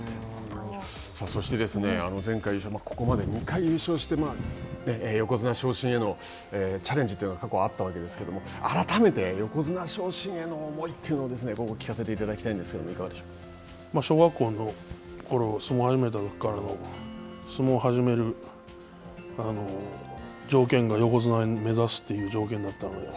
そして、前回、ここまで２回優勝して、横綱昇進へのチャレンジというのが過去あったわけですけれども改めて横綱昇進への思いというのを聞かせていただきたいんですけ小学校のころに相撲を始めたときからの相撲を始める条件が横綱を目指すという条件だったので。